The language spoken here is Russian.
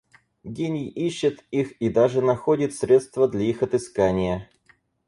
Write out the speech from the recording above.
Гений ищет их и даже находит средства для их отыскания.